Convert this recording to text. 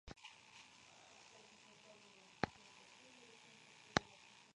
Juega de portero y su actual club es el Grasshopper-Club Zürich.